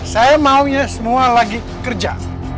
saya maunya semua lagi kerja